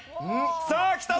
さあきたぞ。